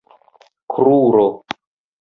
kruro